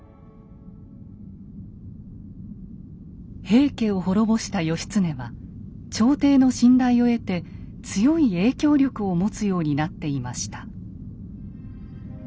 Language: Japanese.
平家を滅ぼした義経は朝廷の信頼を得て強い影響力を持つようになっていました。